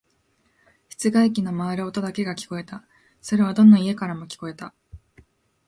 室外機の回る音だけが聞こえた。それはどの家からも聞こえた。